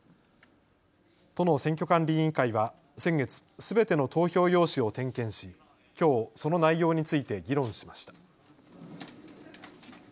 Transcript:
都の選挙管理委員会は先月すべての投票用紙を点検しきょうその内容について議論しました。